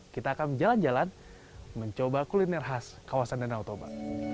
kita akan jalan jalan mencoba kuliner khas kawasan danau toba